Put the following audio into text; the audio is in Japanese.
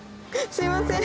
すいません！